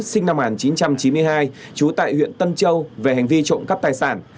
sinh năm một nghìn chín trăm chín mươi hai chú tại huyện tân châu về hành vi trộn cấp tài sản